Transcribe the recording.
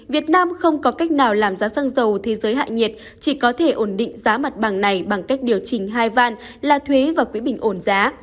việt nam không có cách nào làm giá xăng dầu thế giới hạ nhiệt chỉ có thể ổn định giá mặt bằng này bằng cách điều chỉnh hai van là thuế và quỹ bình ổn giá